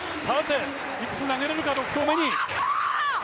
いくつ投げれるか６投目に。